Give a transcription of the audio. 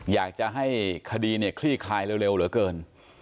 อยากจะให้คดีเนี่ยคลี่คลายเร็วเหลือเกิน